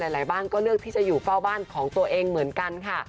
หลายบ้านก็เลือกที่จะอยู่เฝ้าบ้านของตัวเองเหมือนกันค่ะ